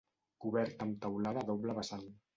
Cobert amb teulada a doble vessant.